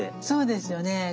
そうですよね。